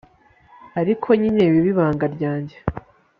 ariko nyine bibe ibanga ryannjye